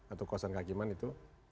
atau kawasan kehakiman itu